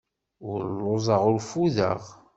Ur lluẓeɣ, ur ffudeɣ.